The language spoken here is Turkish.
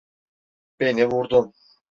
Beni vurdun!